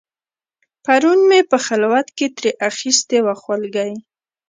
پرون مې په خلوت کې ترې اخیستې وه خولګۍ